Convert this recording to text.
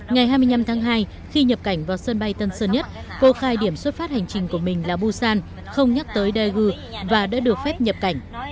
ngày hai mươi năm tháng hai khi nhập cảnh vào sân bay tân sơn nhất cô khai điểm xuất phát hành trình của mình là busan không nhắc tới daegu và đã được phép nhập cảnh